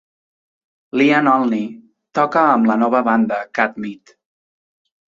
L'Ian Olney toca amb la nova banda Cat Meat.